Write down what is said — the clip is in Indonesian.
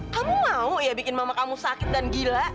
kamu mau ya bikin mama kamu sakit dan gila